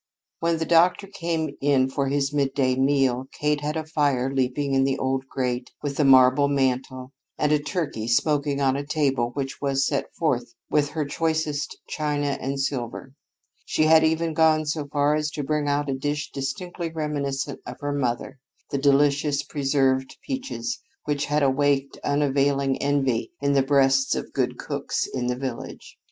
When the doctor came in for his midday meal, Kate had a fire leaping in the old grate with the marble mantel and a turkey smoking on a table which was set forth with her choicest china and silver. She had even gone so far as to bring out a dish distinctly reminiscent of her mother, the delicious preserved peaches, which had awaked unavailing envy in the breasts of good cooks in the village.